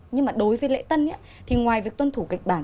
nhưng mà đối với lễ tân thì ngoài việc tuân thủ kịch bản